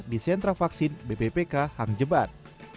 di sentra vaksin bppk hang jeban